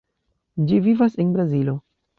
Ĝi vivas en Brazilo.